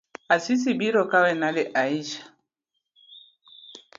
Asisi biro kawe nade Aisha?